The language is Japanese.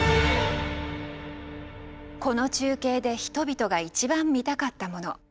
この中継で人々が一番見たかったもの。